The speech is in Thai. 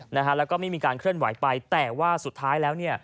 แล้วก็ไม่มีการเคลื่อนไหวไปแต่ว่าสุดท้ายแล้วเนี่ย